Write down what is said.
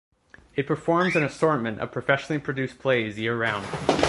It performs an assortment of professionally produced plays year-round.